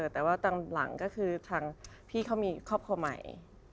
แต่ว่าตอนหลังก็คือทางพี่เขามีครอบครัวใหม่